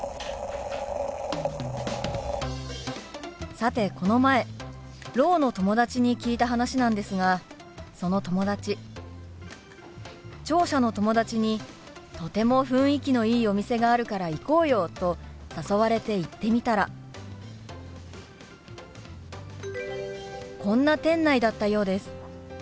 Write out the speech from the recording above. さてこの前ろうの友達に聞いた話なんですがその友達聴者の友達にとても雰囲気のいいお店があるから行こうよと誘われて行ってみたらこんな店内だったようです。